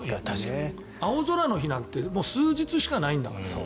青空の日なんて数日しかないんだもん。